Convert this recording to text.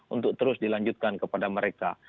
untuk terus dilanjutkan kepada mereka